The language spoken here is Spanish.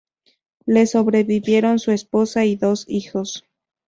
Le sobrevivieron su esposa y dos hijos.